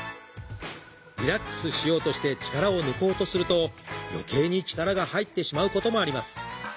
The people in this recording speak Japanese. リラックスしようとして力を抜こうとするとよけいに力が入ってしまうこともあります。